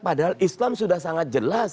padahal islam sudah sangat jelas